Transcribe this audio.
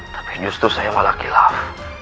tapi justru saya malah hilang